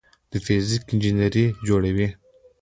د فزیک انجینري جوړوي.